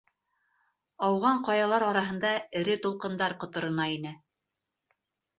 Ауған ҡаялар араһында эре тулҡындар ҡоторона ине.